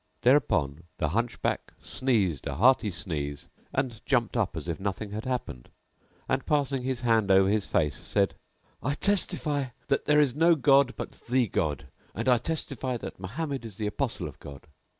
Thereupon the Hunchback sneezed a hearty sneeze and jumped up as if nothing had happened and passing his hand over his face said, "I testify that there is no god, but the God, and I testify that Mohammed is the Apostle of God."